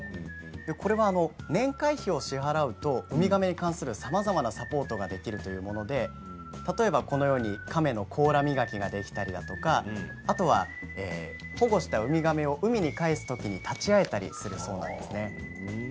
これは年会費を支払うとウミガメに関する、さまざまなサポートができるというもので例えば亀の甲羅磨きができたり保護したウミガメを海に帰すときに立ち会えたりするそうです。